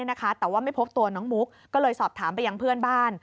แต่ว่าไม่พบตัวน้องมุกก็เลยสอบถามไปยังเพื่อนบ้าน